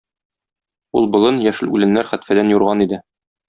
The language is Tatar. Ул болын, яшел үләннәр хәтфәдән юрган иде.